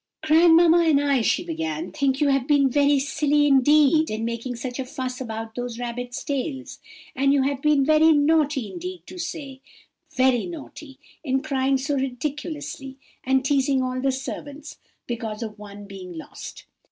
"'Grandmamma and I,' she began, 'think you have been very silly indeed in making such a fuss about those rabbits' tails; and you have been very naughty indeed to day, very naughty, in crying so ridiculously, and teazing all the servants, because of one being lost.